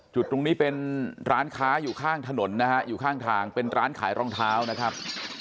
จุดตรงนี้เป็นร้านค้าอยู่ข้างถนนนะฮะอยู่ข้างทางเป็นร้านขายรองเท้านะครับ